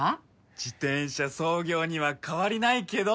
自転車操業には変わりないけど？